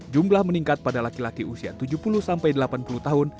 jumlah meningkat pada laki laki usia tujuh puluh sampai delapan puluh tahun